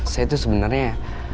saya tuh sebenarnya